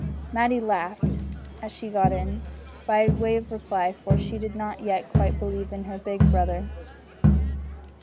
Matty laughed as she got in, by way of reply, for she did not yet quite believe in her big brother.